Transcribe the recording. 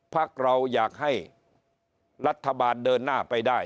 พักเราอยากให้รัฐบาลเดินหน้าไปได้